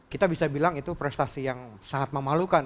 kita bisa bilang itu prestasi yang sangat memalukan